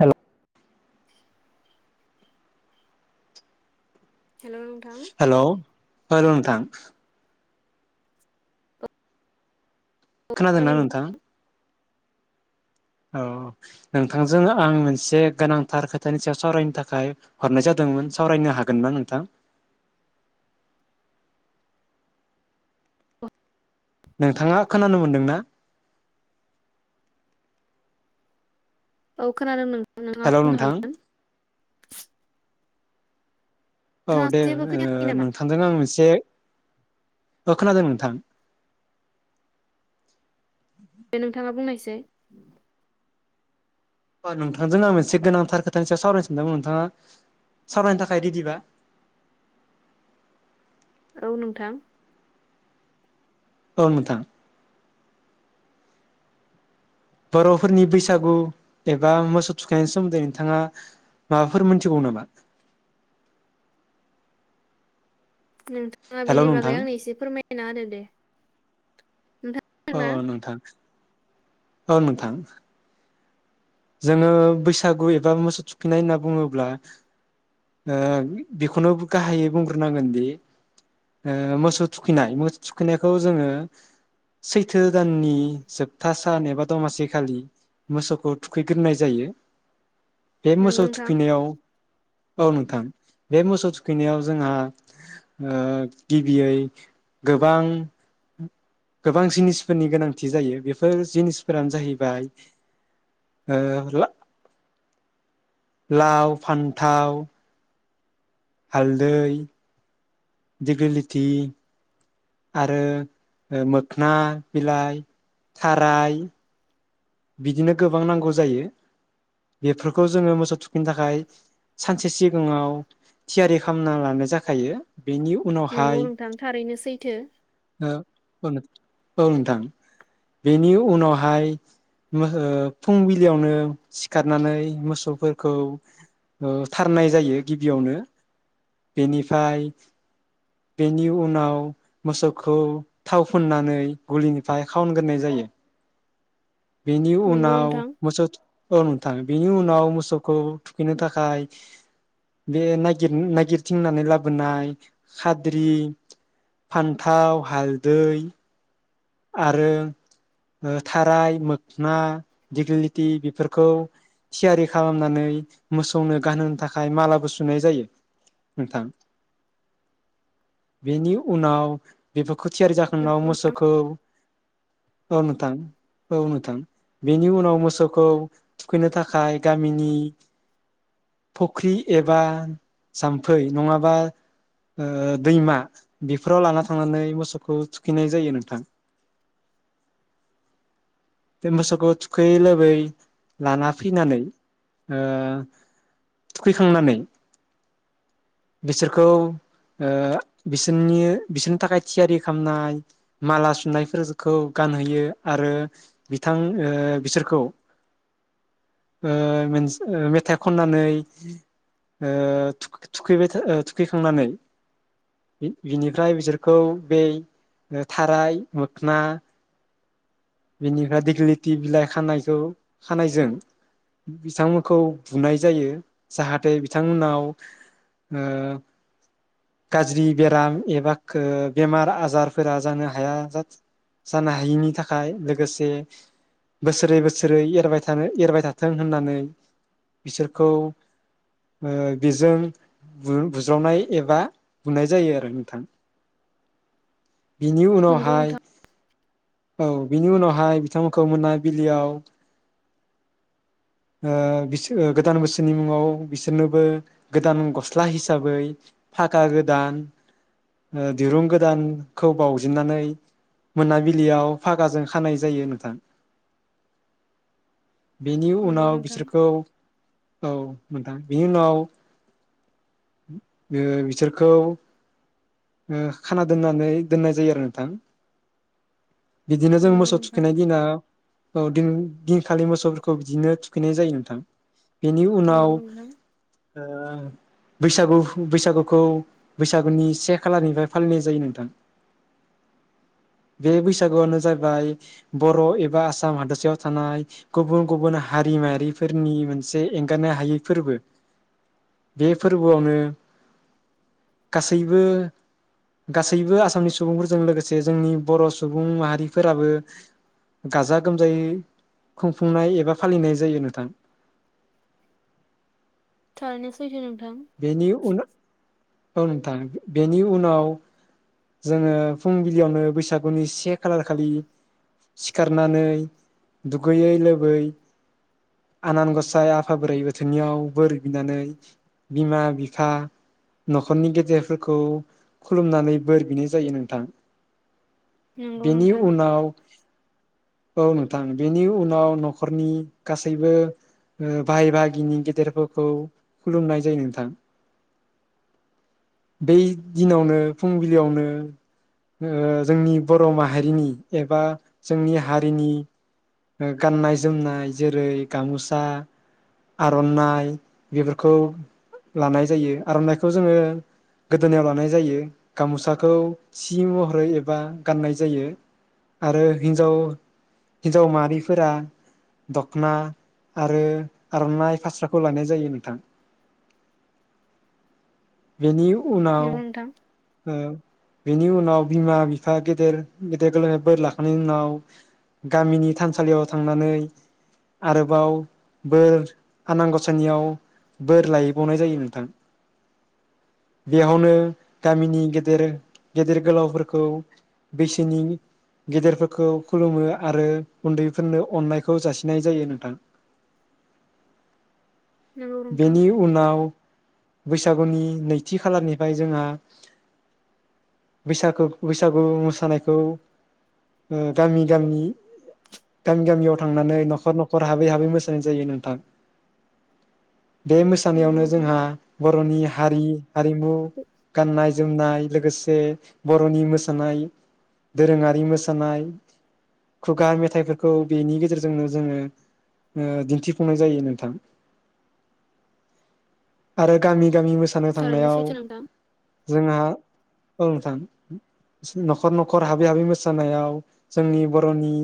हेल' hello hello hello थां खोनादोंना नोंथां? औ नोंथांजों आं मोनसे गोनांथार खोथानि सायाव सावरायनो थाखाय हरनाय जादोंमोन सावरायनो हागोन ना नोंथां? नोंथाङा खोनानो मोनदोंना? औ खोनादों नों हेल' नोंथां औ नोंथाङा दे जेबो खोनायाखै नामा नोंथांजों आं मोनसे औ खोनादों नोंथां नोंथाङा बुंनायसै दे अ नोंथांजों आं मोनसे गोनांथार खोथानि सायाव सावरायनो सानदोंमोन नोंथाङा सावरायनो थाखाय रेडिबा? औ नोंथां औ नोंथां बर'फोरनि बैसागु एबा मोसौ थुखैनायनि सोमोन्दै नोंथाङा माबाफोर मोनथिगौ नामा? नोंथाङा हेलौ बेनि नोंथां बागै आंनो एसे फोरमाय [unintelligible] औ ओंथां औ नोंथां जोङो बैसागु एबा मोसौ थुखैनाय होनना बुङोब्ला ओ बेखौनो गाहायै बुंग्रोनांगोनदि मोसौ थुखैनाय मोसौ थुखैनायखौ जोङो सैथो दाननि जोबथा सान एबा दमासि खालि मोसौखौ थुखैग्रोनाय जायो। बे नोंगौ मोसौ नोंथां थुखैनायाव औ नोंथां बे मोसौ थुखैनायाव जोंहा ओ गिबियै गोबां गोबां जिनिसफोरनि गोनांथि जायो बेफोर जिनिसफोरानो जाहैबाय ओ [unintelligible] लाव, फान्थाव हालदै दिग्ललिथि आरो मोखोना बिलाइ, थाराय बिदिनो गोबां नांगौ जायो बेफोरखौ जोङो मोसौ थुखै थुखैनो थाखाय सानसे सिगाङाव थियारि खालामना लानाय जाखायो। बेनि नोंगौ उनावहाय नोंथां थारैनो सैथो औ नोंथां बेनि उनावहाय फुंबिलियावनो सिखारनानै मोसौफोरखौ थारनाय जायो गिबियावनो बेनिफ्राय बेनि उनाव मोसौखौ थाव फुननानै गलिनिफ्राय खावनग्रोनाय जायो बेनि नोंगौ उनाव नोंथां मोसौ अ नोथां बेनि उनाव मोसौखौ थुखैनो थाखाय बे नागिर नागिरथिंनानै लाबोनाय खाद्रि फान्थाव हालदै आरो थाराय मोखना दिग्लिथि बेफोरखौ थियारि खालामनानै मोसौनो गानहोनो थाखाय मालाबो सुनाय जायो नोंथां। बेनि उनाव बेफोरखौ खो थियारि जाखांनाव नोंगौ नोंथां मोसौखौ औ नोंथां औ नोंथां बेनि उनाव मोसौखौ थुखैनो थाखाय गामिनि फख्रि एबा जाम्फै नङाबा ओ दैमा बेफोराव लाना थांनानै मोसौखौ थुखैनाय जायो नोंथां। बे मोसौखौ थुखैयै लोबै लाना फैनानै ओ थुखैखांनानै बिसोरखौ ओ बिसोरनि बिसोरनि थाखाय थियारि खालामनाय माला सुनायफोरखौ गानहोयो आरो बिथां ओ बिसोरखौ ओ मेथाइ खननानै ओ थुक थुखैबाय थुखैखांनानै बिनिफ्राय बिसोरखौ बे थाराय मोखना बेनिफ्राय दिगलिथि बिलाइ खानायखौ खानायजों बिथांमोनखौ बुनाय जायो जाहाथे बिथांमोनाव ओ गाज्रि बेराम एबा ओ बेमार आजारफोरा जानो हाया जानो हायिनि थाखाय थाखाय लोगोसे बोसोरै बोसोरै एरबाय थानो एरबाय थाथों होननानै बिसोरखौ ओ बेजों बुज्रावनाय एबा बुनाय जायो आरो नोंथां। बिनि नोंगौ नोंथां उनावहाय औ बिनि उनावहाय बिथांमोनखौ मोनाबिलियाव ओ बिसो गोदान बोसोरनि मुङाव बिसोरनोबो गोदान गस्ला हिसाबै फागा गोदान ओ दिरुं गोदानखौ बावजेननानै मोनाबिलि याव फागाजों खानाय जायो नोंथां बेनि उनाव नोंगौ नोंथां बिसोरखौ औ नोंथां बिनि उनाव ओ बिसोरखौ ओ खाना दोननानै दोननाय जायो आरो नोंथां बिदिनो जों नोंगौ मोसौ नोंथां थुखैनाय दिनाव औ दिन दिनखालि मोसौफोरखौ बिदिनो थुखैनाय जायो नोंथां। बेनि उनाव नोंगौ नोंथां [unintelligible] बैसागु बैसागुखौ बैसागुनि से खालारनिफ्राय फालिनाय जायो नोंथां बे बैसागुआनो जाबाय बर' एबा आसाम हादोरसायाव थानाय गुबुन गुबुन हारि माहारिफोरनि मोनसे एंगारनो हायै फोरबो। बे फोरबोआवनो गासैबो गासैबो आसामनि सुबुंफोरजों लोगोसे जोंनि बर' सुबुं माहारिफोराबो गाजा गोमजायै खुंफुंनाय एबा फालिनाय जायो नोंथां। थारैनो सैथो नों बेनि उनाव औ नोंथां बेनि उनाव जोङो फुंबिलियावनो बैसागुनि से खालार खालि सिखारनानै दुगैयै लोबै आनान गसाय आफा बोराइ बाथौनियाव बोर बिनानै बिमा बिफा न'खरनि गेदेरफोरखौ खुलुमनानै बोर बिनाय जायो नोंथां। नोंगौ बेनि नोंथां उनाव औ नोंथां बेनि उनाव न'खरनि गासैबो ओ बाहाय बाहागिनि गेदेरफोरखौ खुलुमनाय जायो नोंथां। बै दिनावनो फुंबिलियावनो ओ जोंनि बर' माहारिनि एबा जोंनि हारिनि गाननाय जोमनाय जेरै गाम'सा आर'नाइ बेफोरखौ लानाय जायो आर'नाइखौ जोङो गोदोनायाव लानाय जायो गाम'साखौ सि महरै एबा गाननाय जायो आरो हिनजाव हिन्जाव माहारिफोरा दख'ना आरो आर'नाइ फास्राखौ लानाय जायो नोंथां। बेनि उनाव नंगौ नोंथां ओ बेनि उनाव बिमा बिफा गेदेर गेदेर गोलावनि बोर लाखांनायनि उनाव गामिनि थानसालियाव थांनानै आरोबाव बोर आनान गसायनियाव बोर लायैबावनाय जायो नोंथां। बेयावनो गामिनि गेदेर गेदेर गोलावफोरखौ बैसोनि गेदेरफोरखौ खुलुमो आरो उन्दैफोरनो अननायखौ जासिनाय जायो नोंथां नोंगौ नोंथां बेनि उनाव बैसागुनि नैथि खालारनिफ्राय जोंहा बैसाग बैसागु मोसानायखौ ओ गामि गामि गामि गामियाव थांनानै न'खर न'खर हाबै हाबै मोसानाय जायो नोंथां। बे नोंगौ मोसानायावनो नोंथां जोंहा बर'नि हारि। हारिमु गाननाय ज जोमनाय लोगोसे बर'नि मोसानाय दोरोङारि मोसानाय खुगा मेथाइफोरखौ बेनि गेजेरजोंनो जोङो ओ दिन्थिफुंनाय जायो नोंथां। आरो गामि गामि मोसानो थारैनो थांनायाव सैथो नोंथां जोंहा औ नोंथां न'खर न'खर हाबै हाबै मोसानायाव जोंनि बर'नि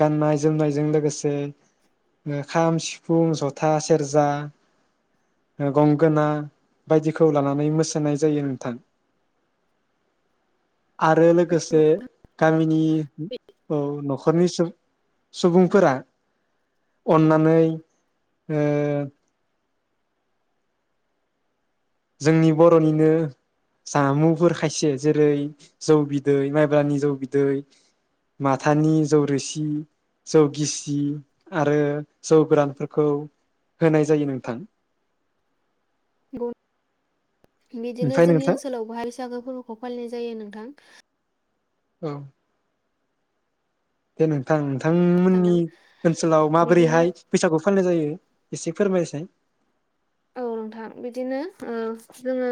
गाननाय जोमनायजों लोगोसे ओ खाम सिफुं जथा से सेरजा गंगोना बायदिखौ लानानै मोसानाय जायो नोंथां। आरो लोगोसे गामिनि औ न'ख [unintelligible] सुबुंफोरा अन्नानै ओ जोंनि बर'निनो जामुंफोर खायसे जेरै जौ बिदै, माइब्रानि जौ बिदै, माथानि जौ रोसि, जौ गिसि आरो जौ गोरानफोरखौ होनाय जायो नोंथां। गौ। बिदिनो ओमफ्राय जोंनि नोंथां ओनसोलाव बोहाय बैसागो फोर्बोखौ फालिनाय जायो नोंथां। औ। दे नोंथां थांमोननि सानदों ओनसोलाव बिदिनो माबोरैहाय बैसागु फालिनाय जायो? एसे फोरमायसै। औ नोंथां बिदिनो ओ जोङो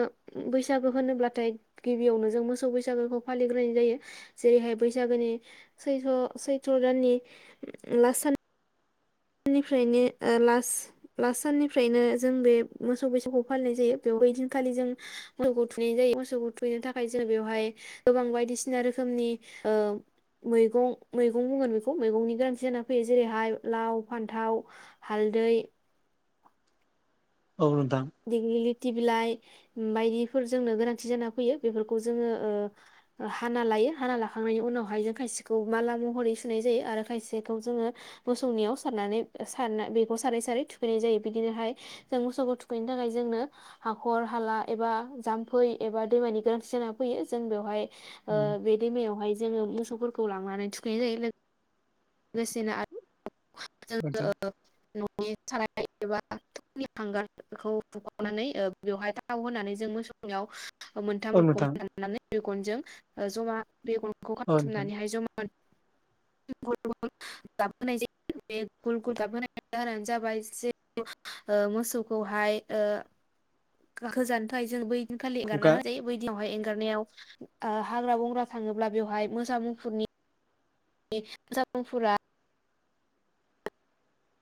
बैसागो होनोब्लाथाय गिबियावनो जों मोसौ बैसागोखौ फालिग्रोनाय जायो जेरैहाय बैसागोनि सैथ्र' सैथ्र' दाननि लास सान। निफ्रायनो लास लास साननिफ्रायनो जों बे मोसौ बैसागु फालिनाय जायो बेवहैदिनखालि जों मोसौखौ थुनाय जायो मोसौखौ थुैनो थाखाय जोङो बेवहाय गोबां बायदिसिना रोखोमनि ओ मैगं मैगं बुंगोन बेखौ मैगंनि गोनांथि जानानानै फैयो जेरैहाय लाव, फान्थाव, हालदै, औ नोंथां। ति बिलाइ बायदिफोर जोंनो गोनांथि जाना फैयो बेफोरखौ जोङो ओ हाना लायो हाना लाखांनायनि उनावहाय जों खायसेखौ माला महरै सुनाय जायो आरो खायसेखौ जोङो मोसौनियाव सारनानै सारना बेखौ सारै सारै थुखैनाय जायो बिदिनोहाय जों मोसौखौ थु [unintelligible] थाखाय जोंनो हाखर-हाला एबा जाम्फै एबा दैमानि गोनांथि जाना फैयो जों बेवहाय ओ बेे दैमायावहाय जोङो मोसौफोरखौ लांनानै थुखैनाय जायो लो गोसेनो आ नोंथां [unintelligible] [unintelligible] थाव होनानै जों मोसौनिआव मोनथाम औ नोंथां [unintelligible] गनजों ओ ज'मा बेगरखौ औ नोंथां [unintelligible] [unintelligible] मोसौखौहाय ओ गाखोजानो [unintelligible] जों बै खालि [unintelligible] खुगा बै दिनावहाय एं हेंगारनायाव ओ हाग्रा बंग्रा थाङोब्ला बेवहाय मोसा मुफुरनि [unintelligible]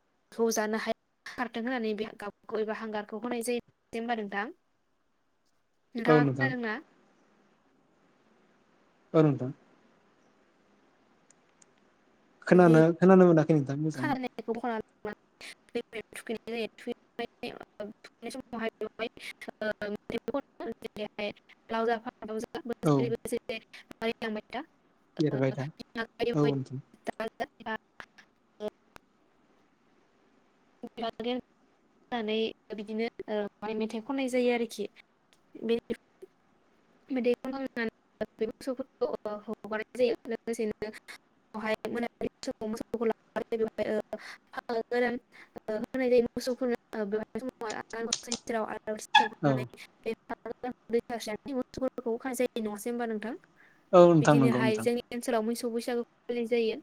[unintelligible] नोंथाङा खोनादों औ नोंथां ना? ओ नोंथां बे खोनानो खोनानो मोना [unintelligible] [unintelligible] [unintelligible] औ [unintelligible] एरबाय था [unintelligible] औ नोंथां [unintelligible] [unintelligible] [unintelligible] [unintelligible] [inaudible] [inaudible] [inaudible] औ औ नोंथां नंगौ बिदिनोहाय नोंथां जोंनि ओनसोलाव मैसो सौ बैसागो फालिनाय जायो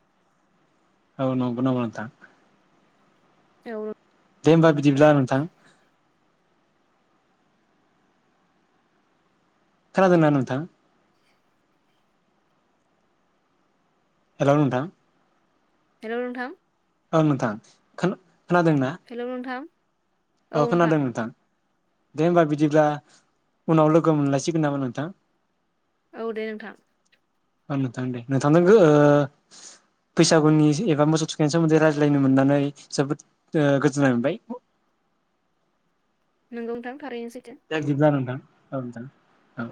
औ नंगौ नामा नोंथां। औ दे होमबा बिदिब्ला नोंथां। खोनादोंना नोंथां? हेल' नोंथां। हेल' नोंथां। ओं नोंथां खोना हेल' नोंथां। अ खोनादों नोंथां। दे होमबा बिदिब्ला उनाव लोगो मोनलायसिगोन नामा नोंथां। औ दे नोंथां। नोंथां दे नोंथांनो ओ बैसागुनि एबा मोसौ थुखायनायनि सोमोन्दै रायज्लायनो मोननानै जोबोद ओ गोजोननाय मोनबाय। नंगौ नोंथां। थारैनो सैथो दे बिदिब्ला नोंथां। औ नोंथां औ।